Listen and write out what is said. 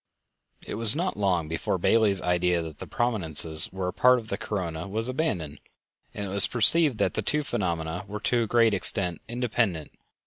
It was not long before Bailey's idea that the prominences were a part of the corona was abandoned, and it was perceived that the two phenomena were to a great extent independent.